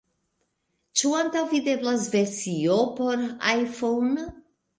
Ĉu antaŭvideblas versio por iPhone?